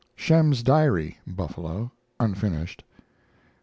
SHEM'S DIARY (Buffalo) (unfinished).